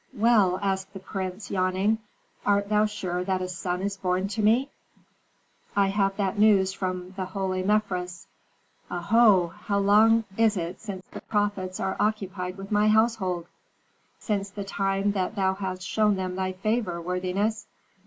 "Well," asked the prince, yawning, "art thou sure that a son is born to me?" "I have that news from the holy Mefres." "Oho! How long is it since the prophets are occupied with my household?" "Since the time that thou hast shown them thy favor, worthiness."